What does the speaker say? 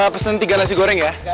pesen tiga nasi goreng ya